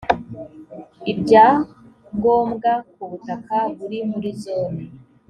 ibya ngombwa ku butaka buri muri zone